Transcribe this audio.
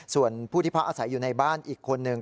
ส่วนผู้ที่พักอาศัยอยู่ในบ้านอีกคนนึง